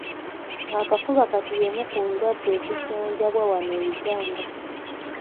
Akafuba kati y’emu ku ndwadde ezijjanjabwa wano e Uganda.